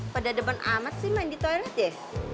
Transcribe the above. pada debat amat sih main di toilet ya